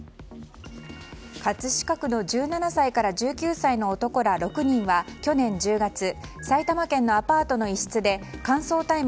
葛飾区の１７歳から１９歳の男ら６人は去年１０月埼玉県のアパートの一室で乾燥大麻